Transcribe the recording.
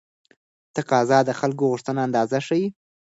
تقاضا د خلکو غوښتنې اندازه ښيي.